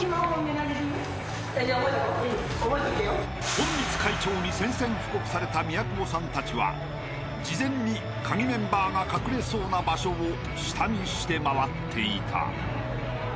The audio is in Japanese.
［隠密会長に宣戦布告された宮久保さんたちは事前にカギメンバーが隠れそうな場所を下見して回っていた］